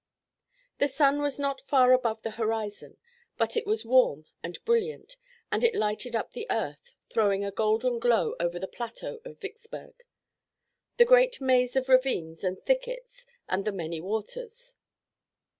The sun was not far above the horizon but it was warm and brilliant, and it lighted up the earth, throwing a golden glow over the plateau of Vicksburg, the great maze of ravines and thickets and the many waters.